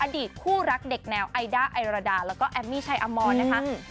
อดีตคู่รักเด็กแนวไอด้าไอราดาแล้วก็แอมมี่ชัยอมรนะคะ